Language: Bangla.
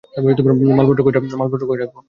মালপত্র কই রাখবো?